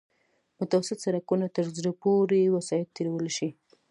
متوسط سرکونه تر زرو پورې وسایط تېرولی شي